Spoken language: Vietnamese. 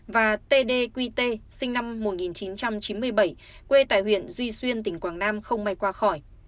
và t d q t sinh năm một nghìn chín trăm chín mươi bảy quê tại huyện duy xuyên tỉnh quảng nam không may qua khỏi